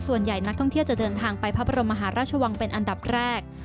ส่วนใหญ่นักท่องเที่ยวจะเดินทางไปพระบรมมหาราชวังเป็นอันดับแรก